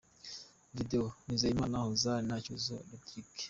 Video: Nizigiyimana Hassan na Cyuzuzo Rodrigue.